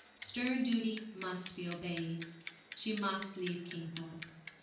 Stern duty must be obeyed, She must leave Kingthorpe.